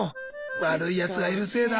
悪いやつがいるせいだ。